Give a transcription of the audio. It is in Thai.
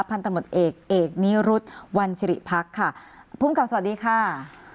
พันธุ์ตำรวจเอกเอกนิรุธวันสิริพักษ์ค่ะผู้องกรรมสวัสดีค่ะ